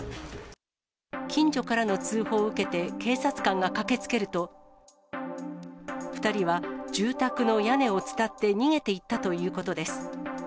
近所からの通報を受けて警察官が駆けつけると、２人は住宅の屋根を伝って逃げていったということです。